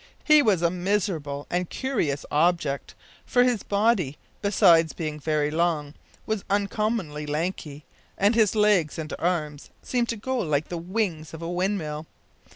He was a miserable and curious object, for his body, besides being very long, was uncommonly lanky, and his legs and arms seemed to go like the wings of a windmill.